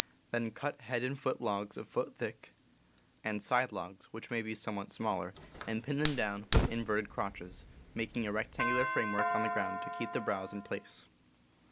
Then cut Bro B d ^^^^~^^^ foot logs a foot thick, and side logs, which may be somewhat THE CAMP 77 smaller, and pin them down with inverted crotches, making a rectangular framework on the ground to keep the browse in place.